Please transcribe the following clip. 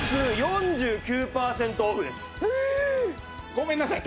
ごめんなさい！